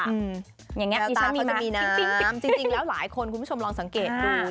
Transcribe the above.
แววตาเขาจะมีน้ำจริงแล้วหลายคนคุณผู้ชมลองสังเกตดู